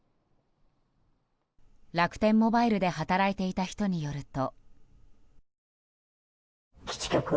楽天モバイルで働いていた人によると。